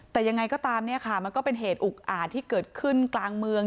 แต่ยังไงก็ตามเนี่ยค่ะมันก็เป็นเหตุอุกอาจที่เกิดขึ้นกลางเมือง